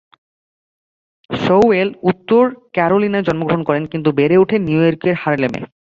Sowell উত্তর ক্যারোলিনায় জন্মগ্রহণ করেন, কিন্তু বেড়ে ওঠেন নিউ ইয়র্কের হারলেমে।